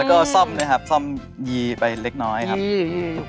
อือก็ส้อมด้วยครับส้อมยีคือปลายเล็กน้อยครับ